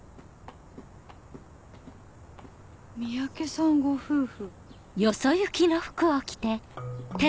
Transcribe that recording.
三宅さんご夫婦。